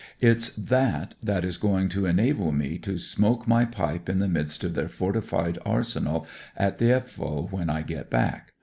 It's that that is going to enable me to smoke my pipe in the midst of their fortified arsenal at Thi^pval when I get back.